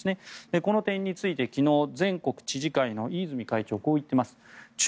この点について昨日、全国知事会の飯泉会長はこう言っています。